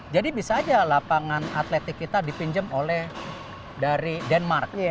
jadi bisa aja lapangan atletik kita dipinjam oleh dari denmark